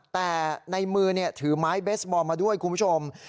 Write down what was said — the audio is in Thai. แต่ในมือถือไม้เบสบอลมาด้วยคุณผู้ชม